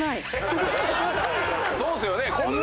そうですよね。